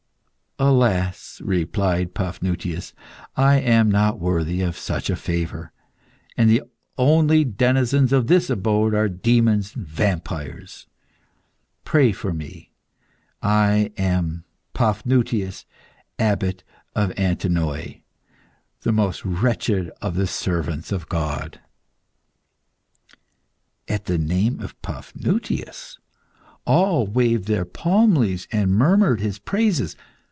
"Alas!" replied Paphnutius, "I am not worthy of such a favour, and the only denizens of this abode are demons and vampires. Pray for me. I am Paphnutius, Abbot of Antinoe, the most wretched of the servants of God." At the name of Paphnutius, all waved their palm leaves and murmured his praises.